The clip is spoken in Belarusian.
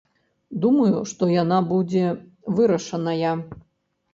Думаю, што яна будзе вырашаная.